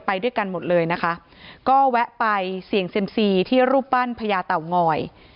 ไปด้วยกันหมดเลยนะคะก็แวะไปเสี่ยงเซียมซีที่รูปปั้นพญาเต่างอย